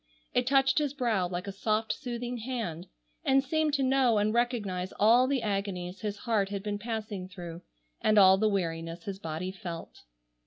It touched his brow like a soft soothing hand, and seemed to know and recognize all the agonies his heart had been passing through, and all the weariness his body felt.